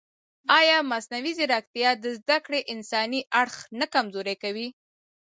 ایا مصنوعي ځیرکتیا د زده کړې انساني اړخ نه کمزوری کوي؟